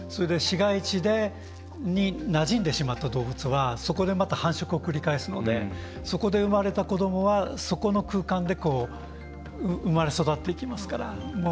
市街地になじんでしまった動物はそこで、また繁殖を繰り返すのでそこで生まれた子どもはそこの空間で生まれ育っていきますから。